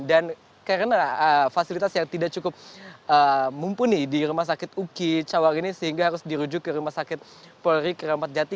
dan karena fasilitas yang tidak cukup mumpuni di rumah sakit uki cawang ini sehingga harus dirujuk ke rumah sakit proyek ramadjati